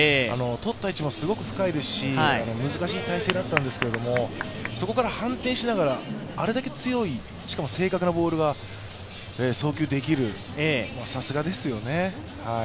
とった位置もすごく深いですし、難しい体勢だったんですけどもそこから反転しながら、あれだけ強い、正確なボールが送球できるのはさすがですよね。